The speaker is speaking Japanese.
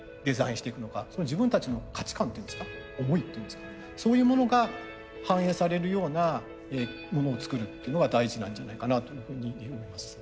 自分たちの価値観っていうんですか思いっていうんですかそういうものが反映されるようなものを作るっていうのが大事なんじゃないかなというふうに思います。